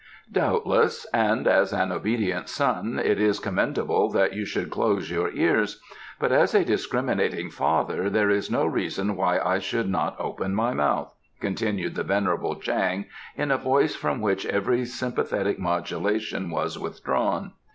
"Doubtless; and as an obedient son it is commendable that you should close your ears, but as a discriminating father there is no reason why I should not open my mouth," continued the venerable Chang in a voice from which every sympathetic modulation was withdrawn.